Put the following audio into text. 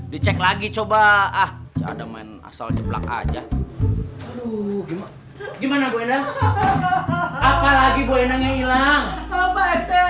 di cek lagi coba ah ada main asal jeblak aja gimana bu enang apalagi bu enangnya hilang